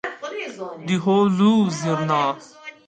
Diholû zirna